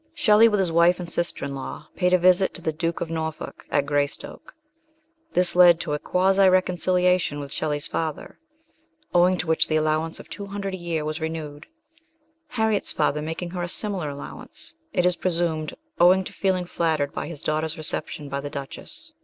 Shelley with his wife and sister in law paid a visit to the Duke of Norfolk at Greystoke; this led to a quasi reconciliation with Shelley's father, owing to which the allowance of two hundred a year was re newed, Harriet's father making her a similar allow ance, it is presumed, owing to feeling nattered by his daughter's reception by the Duchess.